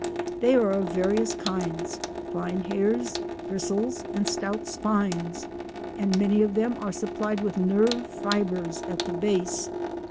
They are of various kinds—fine hairs, bristles, and stout spines—and many of them are supplied with nerve fibres at the base.